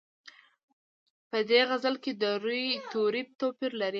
په دې غزل کې د روي توري توپیر لري.